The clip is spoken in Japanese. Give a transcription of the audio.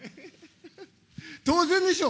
当然でしょ。